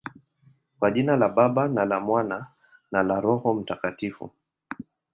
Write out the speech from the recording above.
Kwa jina la Baba, na la Mwana, na la Roho Mtakatifu.